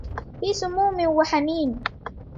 في سموم وحميم